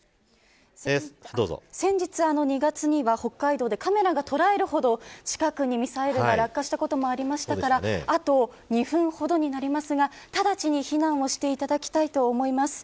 先日２月には北海道でカメラが捉えるほど近くにミサイルが落下したこともありましたからあと２分ほどになりますが直ちに避難をしていただきたいと思います。